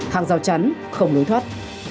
hàng rào chắn không lối thoát